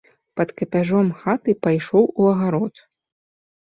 Пад капяжом хаты пайшоў у агарод.